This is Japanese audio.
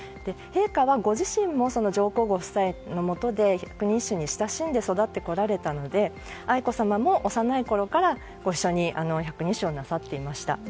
陛下はご自身も上皇ご夫妻のもとで百人一首に親しんで育ってこられたので、愛子さまも幼いころから、ご一緒に百人一首をなさっていました。